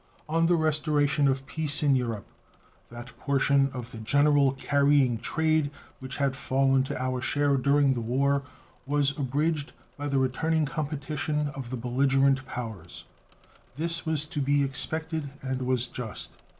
On the restoration of peace in Europe that portion of the general carrying trade which had fallen to our share during the war was abridged by the returning competition of the belligerent powers. This was to be expected, and was just.